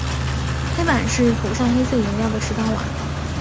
黑板是涂上黑色颜料的石板瓦。